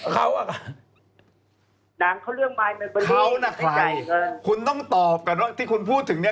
ครัวแหละใครคุณต้องตอบก่อนนะที่คุณพูดถึงเนี้ย